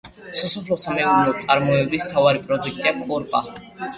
სასოფლო სამეურნეო წარმოების მთავარი პროდუქტია კოპრა.